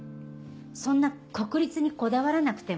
そんな国立にこだわらなくても。